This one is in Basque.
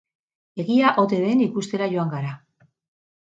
Egia ote den ikustera joan gara.